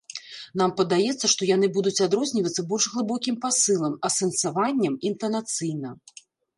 Нам падаецца, што яны будуць адрознівацца больш глыбокім пасылам, асэнсаваннем, інтанацыйна.